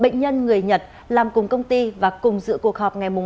bệnh nhân người nhật làm cùng công ty và cùng dự cuộc họp ngày hai tháng hai